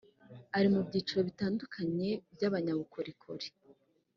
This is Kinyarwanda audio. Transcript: ari mu byiciro bitandukanye by abanyabukorikori